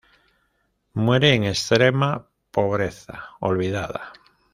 Muere en extrema pobreza, olvidada.